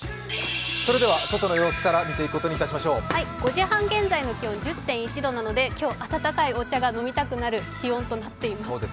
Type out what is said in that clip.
５時半現在の気温１０．１度なので今日温かいお茶が飲みたくなる気温となっています。